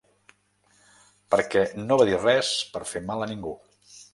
Perquè no va dir res per fer mal a ningú.